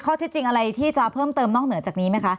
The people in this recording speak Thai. ที่จริงอะไรที่จะเพิ่มเติมนอกเหนือจากนี้ไหมคะ